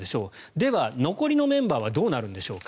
では、残りのメンバーはどうなるんでしょうか。